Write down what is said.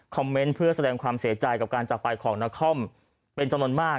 เมนต์เพื่อแสดงความเสียใจกับการจากไปของนครเป็นจำนวนมาก